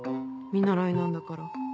見習いなんだから。